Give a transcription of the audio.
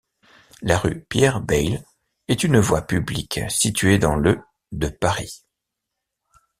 La rue Pierre-Bayle est une voie publique située dans le de Paris.